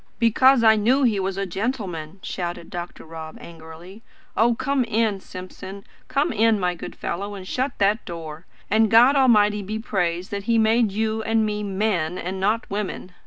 "Because I knew he was a gentleman," shouted Dr. Rob angrily. "Oh, come in, Simpson come in, my good fellow and shut that door! And God Almighty be praised that He made you and me MEN, and not women!"